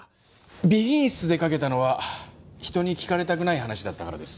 備品室でかけたのは人に聞かれたくない話だったからです。